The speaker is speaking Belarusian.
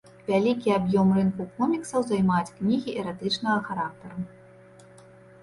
Вялікі аб'ем рынку коміксаў займаюць кнігі эратычнага характару.